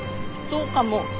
そうかも。